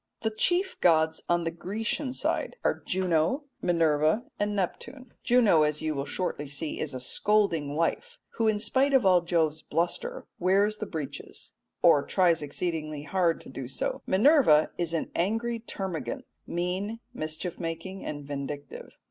The chief gods on the Grecian side are Juno, Minerva, and Neptune. Juno, as you will shortly see, is a scolding wife, who in spite of all Jove's bluster wears the breeches, or tries exceedingly hard to do so. Minerva is an angry termagant mean, mischief making, and vindictive.